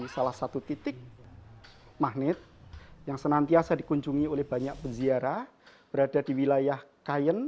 salah satu titik magnet yang senantiasa dikunjungi oleh banyak peziarah berada di wilayah kayen